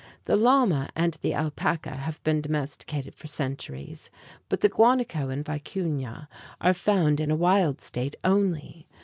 The llama and the alpaca have been domesticated for centuries; but the guanaco and vicuña are found in a wild state only.